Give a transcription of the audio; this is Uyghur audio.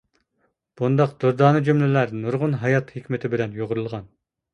بۇنداق دۇردانە جۈملىلەر نۇرغۇن ھايات ھېكمىتى بىلەن يۇغۇرۇلغان.